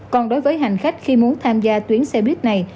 còn đối với hành khách khi muốn tham gia tuyến xe buýt này